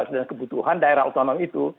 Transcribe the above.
dan kebutuhan daerah otonom itu